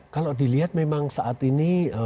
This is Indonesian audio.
kalau dilihat memang saat ini